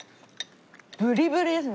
ブリブリですね。